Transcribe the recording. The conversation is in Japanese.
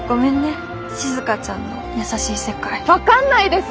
分かんないです！